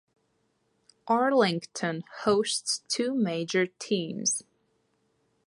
Arlington hosts two major teams.